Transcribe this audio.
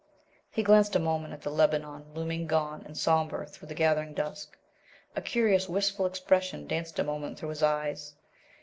He glanced a moment at the Lebanon looming gaunt and somber through the gathering dusk. A curious wistful expression danced a moment through his eyes.